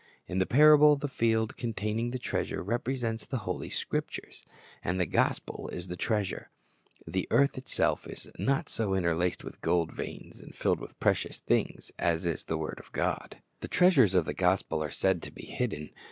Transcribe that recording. In the parable the field containing the treasure represents the Holy Scriptures. And the gospel is the treasure. The earth itself is not so interlaced with golden veins and filled with precious things as is the word of God. HOW HIDDEN The treasures of the gospel are said to be hidden.